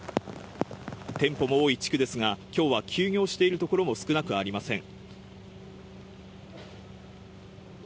店舗も多い地区ですが、きょうは休業しているところも少なくありません。